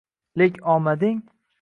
Lek omading